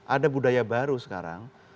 ada budaya baru sekarang